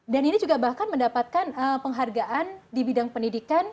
ini juga bahkan mendapatkan penghargaan di bidang pendidikan